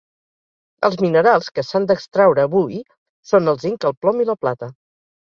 Els minerals que s'han d'extraure avui són: el zinc, el plom i la plata.